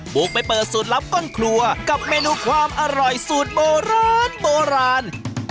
บุกไปเปิดสูตรลับต้นครัวกับเมนูความอร่อยสูตรโบราณโบราณ